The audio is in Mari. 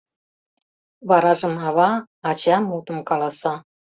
Варажым «ава», "ача" мутым каласа.